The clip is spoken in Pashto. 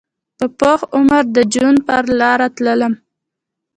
په پوخ عمر د جنون پرلاروتلمه